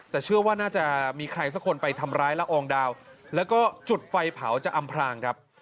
แต่เชื่อว่าน่าจะมีใครสักคนไปทำร้ายละอองดาวแล้วก็จุดไฟเผาจะอำพลางครับ